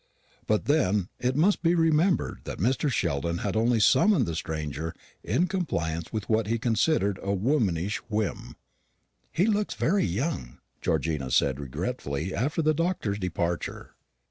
But then it must be remembered that Mr. Sheldon had only summoned the stranger in compliance with what he considered a womanish whim. "He looks very young," Georgina said regretfully, after the doctor's departure.